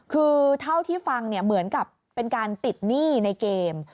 คือเท่าที่ฟังเหมือนกับเป็นการติดหนี้ในเกม